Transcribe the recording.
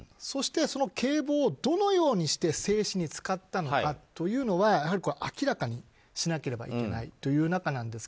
そしてその警棒をどのようにして制止に使ったのかというのはやはり明らかにしなければいけないという。